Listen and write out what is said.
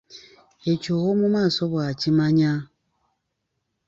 Ekyo ow’omu maaso bw’akimanya.